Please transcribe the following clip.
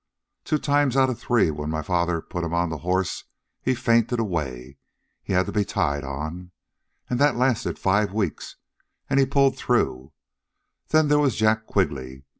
Two times outa three, when my father put 'm on the horse, he'd faint away. Had to be tied on. An' that lasted five weeks, an' HE pulled through. Then there was Jack Quigley.